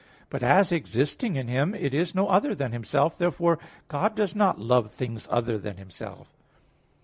But as existing in Him, it is no other than Himself. Therefore God does not love things other than Himself.